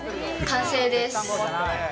完成です。